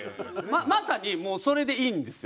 まさにもうそれでいいんですよ